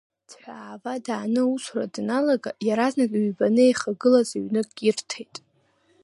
Цәҳәаава дааны аусура даналага, иаразнак ҩбаны еихагылаз ҩнык ирҭеит.